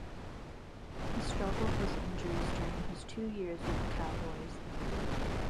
He struggled with injuries during his two years with the Cowboys.